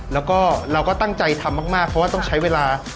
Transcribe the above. แล้วก็เราก็ตั้งใจทำมากเพราะว่าต้องใช้เวลา